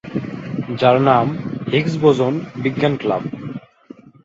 যার নাম "হিগস-বোসন বিজ্ঞান ক্লাব"।